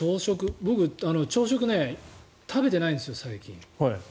僕、朝食食べてないんですよ、最近。